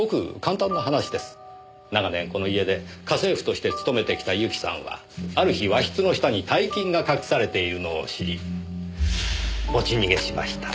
長年この家で家政婦として勤めてきたユキさんはある日和室の下に大金が隠されているのを知り持ち逃げしました。